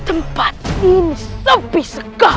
tempat ini sepi segar